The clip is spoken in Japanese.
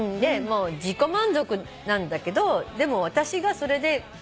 自己満足なんだけどでも私がそれで紙袋から。